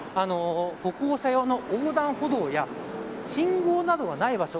歩行者用の横断歩道や信号などはない場所。